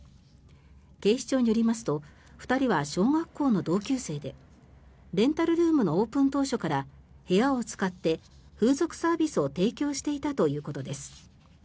警視庁によりますと２人は小学校の同級生でレンタルルームのオープン当初から部屋を使って風俗サービスを提供していたということです。